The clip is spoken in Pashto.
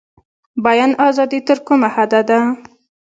بیان ازادي تر کومه حده ده؟